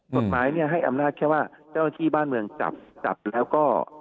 กฎหมายเนี่ยให้อำนาจแค่ว่าเจ้าหน้าที่บ้านเมืองจับจับแล้วก็